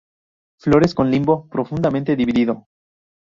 Flores con limbo profundamente dividido.